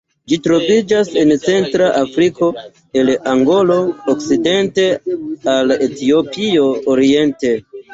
Ĝi troviĝas en centra Afriko, el Angolo okcidente al Etiopio oriente.